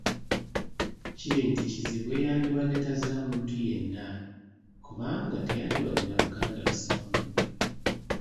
Kiri nti kizibwe yandibadde tazira muntu yenna, kubanga teyandibadde na luganda lusiba muntu.